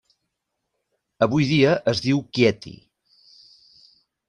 Avui dia es diu Chieti.